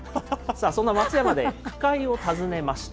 そんな松山で句会を訪ねました。